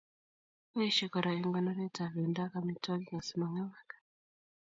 Boishei kora eng konoret ab bendo ak amitwokik asimangemak